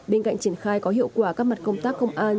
bên cạnh triển khai có hiệu quả các mặt công tác công an